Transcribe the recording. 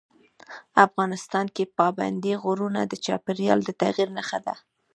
افغانستان کې پابندي غرونه د چاپېریال د تغیر نښه ده.